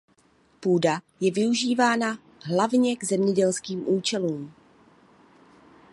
Půda je využívána hlavně k zemědělským účelům.